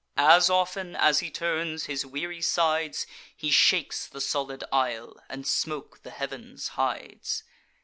As often as he turns his weary sides, He shakes the solid isle, and smoke the heavens hides.